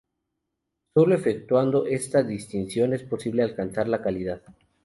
Solo efectuando esta distinción es posible alcanzar la calidad.